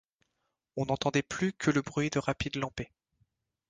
On n’entendait plus que le bruit de rapides lampées.